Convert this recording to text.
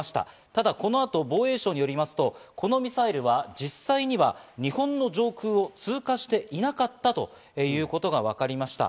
ただこの後、防衛省によりますと、このミサイルは実際には日本の上空を通過していなかったということがわかりました。